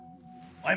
はい。